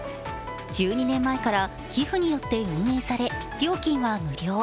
１２年前から寄付によって運営され、料金は無料。